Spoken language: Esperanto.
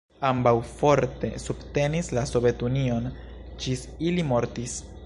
Ambaŭ forte subtenis la Sovetunion, ĝis ili mortis.